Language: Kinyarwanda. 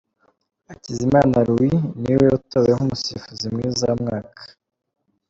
Hakizimana Louis ni we utowe nk’umusifuzi mwiza w’umwaka.